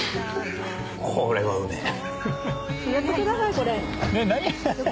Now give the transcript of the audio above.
これはうめぇ。